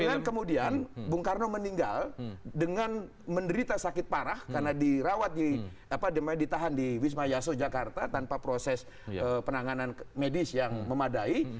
dengan kemudian bung karno meninggal dengan menderita sakit parah karena dirawat di apa ditahan di wismayaso jakarta tanpa proses penanganan medis yang memadai